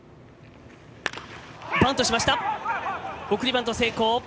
送りバント成功。